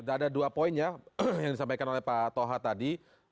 ada dua poin ya yang disampaikan oleh pak toha tadi